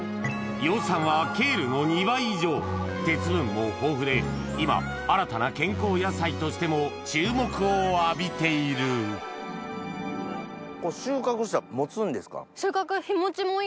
葉酸はケールの２倍以上鉄分も豊富で今新たな健康野菜としても注目を浴びているこれ収穫したら持つんですか？